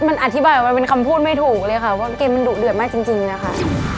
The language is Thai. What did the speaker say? มันอธิบายมันเป็นคำพูดไม่ถูกเลยค่ะว่าเกมมันดุเดือดมากจริงนะคะ